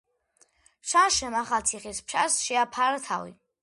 შანშემ ახალციხის ფაშას შეაფარა თავი.